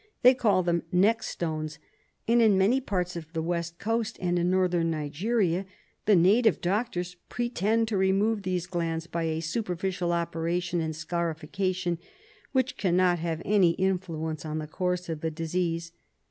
They call them "neck stones," and in many parts of the West Coast, and in Northern Nigeria, the native doctors pretend to remove these glands by a superficial operation and scarification, which cannot have any influence on the course of the disease.